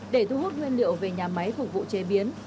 để thu hút nguyên liệu về nhà máy phục vụ chế biến